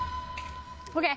ＯＫ！